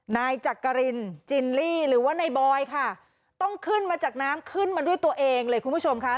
นายจักรินจิลลี่หรือว่าในบอยค่ะต้องขึ้นมาจากน้ำขึ้นมาด้วยตัวเองเลยคุณผู้ชมค่ะ